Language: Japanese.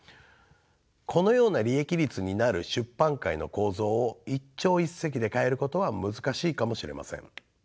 このような利益率になる出版界の構造を一朝一夕で変えることは難しいかもしれません。